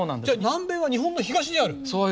じゃ南米は日本の東にある。